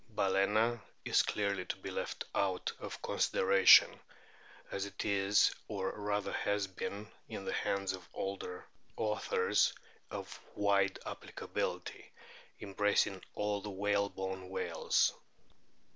Balana is clearly to be left out of consideration, as it is or rather has been in the hands of older authors of wide applicability, embracing all the whalebone whales.